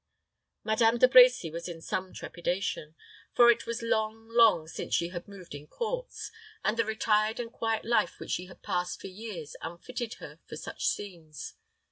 Madame De Brecy was in some trepidation; for it was long, long since she had moved in courts, and the retired and quiet life which she had passed for years unfitted her for such scenes.